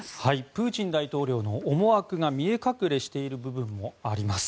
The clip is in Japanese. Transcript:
プーチン大統領の思惑が見え隠れしている部分もあります。